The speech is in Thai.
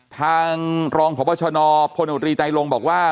ทางรองของประชานอบโพนิวตรีใจลงบอกว่า